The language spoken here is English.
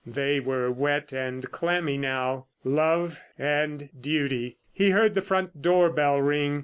They were wet and clammy now. Love and Duty. He heard the front door bell ring.